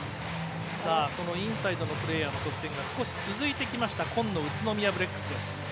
インサイドのプレーヤーの得点が少し続いてきた紺の宇都宮ブレックスです。